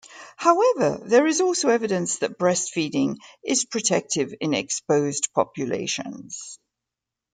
However, there is also evidence that breastfeeding is protective in exposed populations.